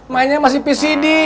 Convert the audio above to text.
mainnya masih pcd